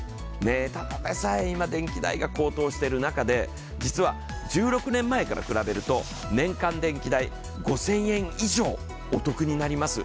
ただでさえ、電気代が高騰している中で、実は１６年前から比べると年間電気代５０００円以上お得になります。